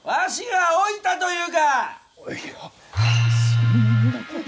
そんなこと。